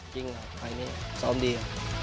จริงไปนี่ซ่อมดี